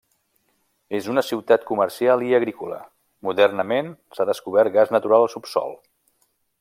És una ciutat comercial i agrícola; modernament s'ha descobert gas natural al subsòl.